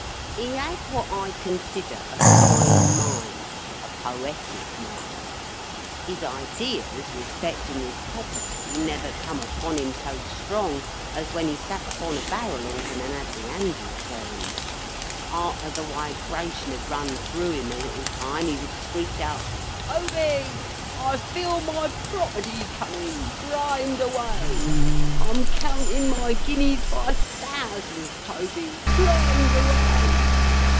He had what I consider a fine mind—a poetic mind. His ideas respectin his property never come upon him so strong as when he sat upon a barrel organ and had the handle turned. Arter the wibration had run through him a little time, he would screech out, "Toby, I feel my property coming—grind away! I'm counting my guineas by thousands, Toby—grind away!